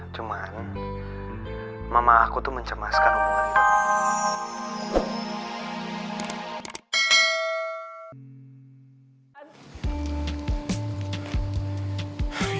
cuman mama aku tuh mencemaskan hubungan itu